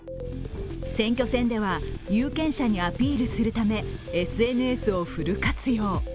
選挙戦では有権者にアピールするため、ＳＮＳをフル活用。